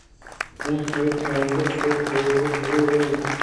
ما چہ پانزدہ سھت/مِلِٹ ءَ لیب ءَ ایں۔